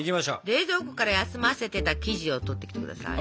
冷蔵庫から休ませてた生地を取ってきて下さい。